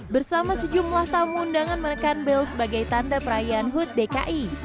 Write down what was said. bersama sejumlah tamu undangan menekan belt sebagai tanda perayaan hut dki